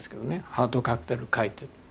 「『ハートカクテル』描いてる」って。